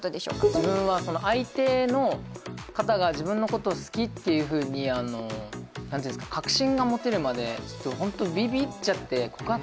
自分はその相手の方が自分のことを好きっていうふうに何ていうんですか確信が持てるまでちょっとホントんですよ